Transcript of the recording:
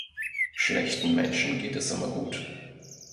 Schlechten Menschen geht es immer gut.